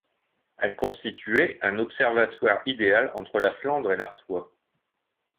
Elle constituait un observatoire idéale entre la Flandre et l'Artois.